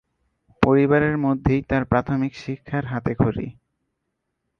পরিবারের মধ্যেই তার প্রাথমিক শিক্ষার হাতেখড়ি।